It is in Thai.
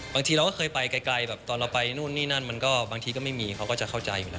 บางทีเราก็เคยไปไกลแบบตอนเราไปนู่นนี่นั่นมันก็บางทีก็ไม่มีเขาก็จะเข้าใจอยู่แล้ว